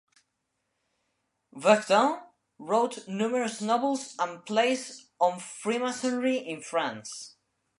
Verdun wrote numerous novels and plays on Freemasonry in France.